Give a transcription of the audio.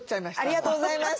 ありがとうございます。